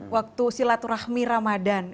waktu silaturahmi ramadhan